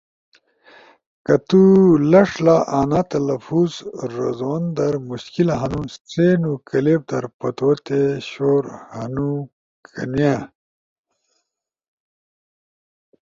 کہ تو لݜ لا انا تلفظ رزوندر مشکل ہنو سی نو کلپ در پتو تے شور ہنو کنیا